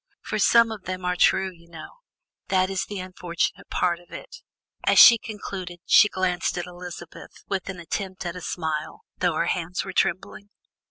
For some of them are true, you know; that is the unfortunate part of it." As she concluded, she glanced at Elizabeth with an attempt at a smile, though her hands were trembling.